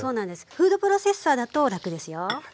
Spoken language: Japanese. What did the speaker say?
フードプロセッサーだと楽ですよ。